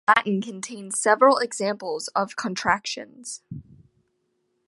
Latin contains several examples of contractions.